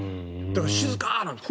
静かなんです。